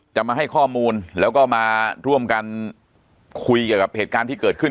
จะมาให้ข้อมูลแล้วก็มาร่วมกันคุยเกี่ยวกับเหตุการณ์ที่เกิดขึ้น